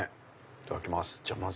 いただきます。